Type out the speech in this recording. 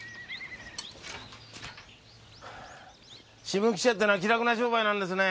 新聞記者ってのは気楽な商売なんですね。